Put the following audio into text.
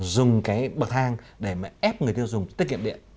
dùng bậc thang để ép người tiêu dùng tiết kiệm điện